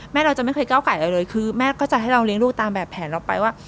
เราจะไม่เคยก้าวไก่อะไรเลยคือแม่ก็จะให้เราเลี้ยงลูกตามแบบแผนเราไปว่า